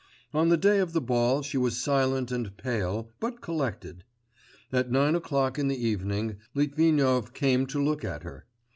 On the day of the ball she was silent and pale, but collected. At nine o'clock in the evening Litvinov came to look at her.